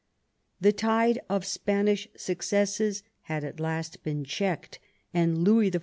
The tide of Spanish successes had at last been checked, and Louis XIV.